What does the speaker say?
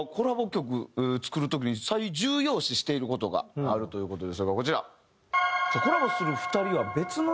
曲作る時に最重要視している事があるという事ですがこちら。